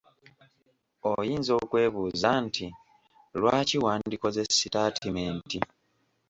Oyinza okwebuuza nti lwaki wandikoze sitaatimenti?